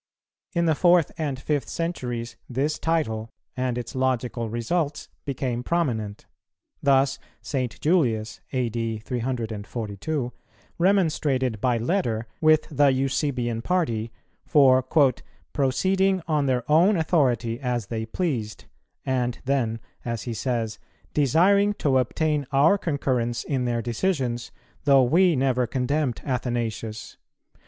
In the fourth and fifth centuries this title and its logical results became prominent. Thus St. Julius (A.D. 342) remonstrated by letter with the Eusebian party for "proceeding on their own authority as they pleased," and then, as he says, "desiring to obtain our concurrence in their decisions, though we never condemned [Athanasius].